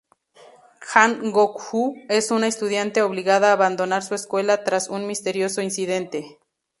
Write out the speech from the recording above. Han Gong-ju es una estudiante obligada a abandonar su escuela tras un misterioso incidente.